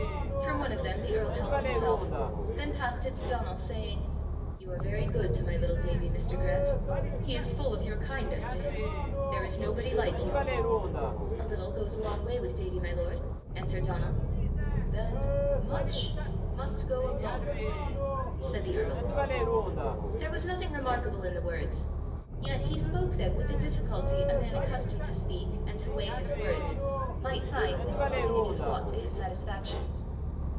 From one of them the earl helped himself, then passed it to Donal, saying, "You are very good to my little Davie, Mr. Grant! He is full of your kindness to him. There is nobody like you!" "A little goes a long way with Davie, my lord," answered Donal. "Then much must go a longer way!" said the earl. There was nothing remarkable in the words, yet he spoke them with the difficulty a man accustomed to speak, and to weigh his words, might find in clothing a new thought to his satisfaction.